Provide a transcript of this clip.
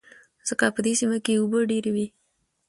ځکه په دې سيمه کې اوبه ډېر وې.